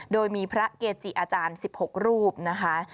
โดยมีพระเกจิอาจารย์๑๖รูปนะคะ